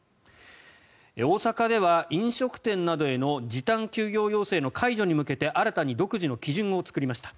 大阪では、飲食店などへの時短・休業要請の解除に向けて新たに独自の基準を作りました。